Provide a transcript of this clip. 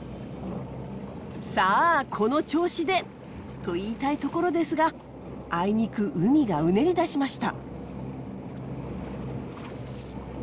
さあこの調子で！と言いたいところですがあいにく海がうねりだしました。